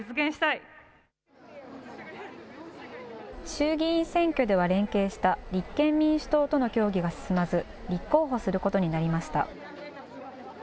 衆議院選挙では連携した立憲民主党との協議が進まず、立候補することになりました。